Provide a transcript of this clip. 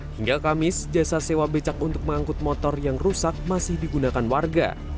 hingga kamis jasa sewa becak untuk mengangkut motor yang rusak masih digunakan warga